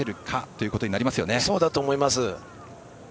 そうだと思います。